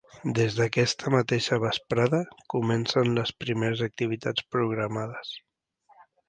Des d’aquesta mateixa vesprada comencen les primeres activitats programades.